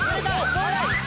⁉どうだ